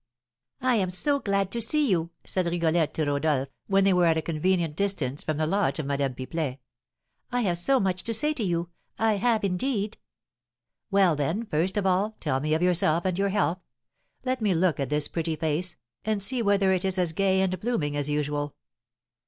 "I am so glad to see you," said Rigolette to Rodolph, when they were at a convenient distance from the lodge of Madame Pipelet. "I have so much to say to you; I have, indeed." "Well, then, first of all, tell me of yourself and your health. Let me look at this pretty face, and see whether it is as gay and blooming as usual.